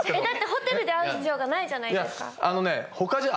だってホテルで会う必要がないじゃないですか。